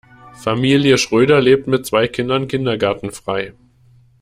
Familie Schröder lebt mit zwei Kindern kindergartenfrei.